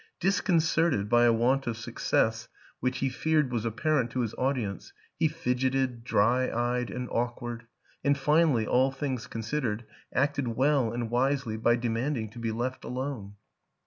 Disconcerted by a want of success 4 WILLIAM AN ENGLISHMAN which he feared was apparent to his audience, he fidgeted, dry eyed and awkward and finally, all things considered, acted well and wisely by de manding to be left alone.